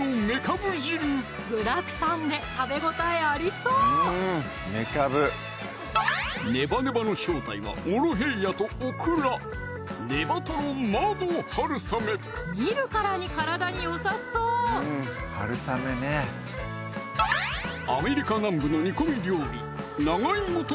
具だくさんで食べ応えありそうネバネバの正体はモロヘイヤとオクラ見るからに体によさそうアメリカ南部の煮込み料理